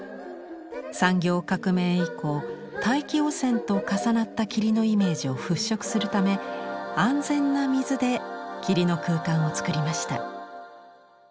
産業革命以降大気汚染と重なった霧のイメージを払拭するため安全な水で霧の空間を作りました。